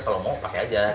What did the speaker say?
kalau mau pakai aja